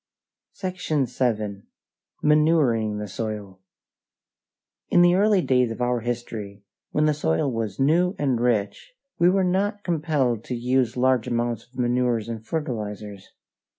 SECTION VII. MANURING THE SOIL In the early days of our history, when the soil was new and rich, we were not compelled to use large amounts of manures and fertilizers.